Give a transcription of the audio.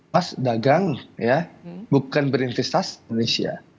mas dagang bukan berinvestasi di indonesia